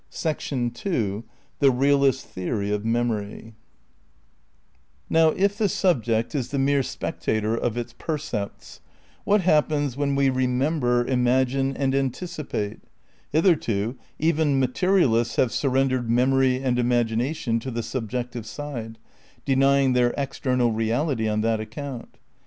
ii Now if the subject is the mere spectator of its per aeaJist cepts, what happens when we remember, imagine and Theory anticipate? Hitherto even materialists have surrend Memory ered memory and imagination to the subjective side, denying their external reality on that account.